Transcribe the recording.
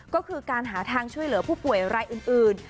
ก็คือการหาทางช่วยเหลือผู้ป่วยรายอื่น